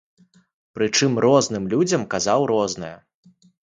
Прычым розным людзям казаў рознае.